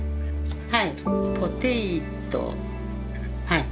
はい。